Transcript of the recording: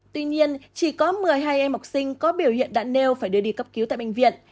tuy nhiên chỉ có một mươi hai em học sinh có biểu hiện đã nêu phải đưa đi cấp cứu tại bệnh viện